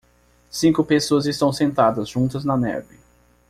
Cinco pessoas estão sentadas juntas na neve.